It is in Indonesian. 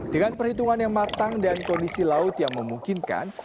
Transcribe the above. dengan perhitungan yang matang dan kondisi laut yang memungkinkan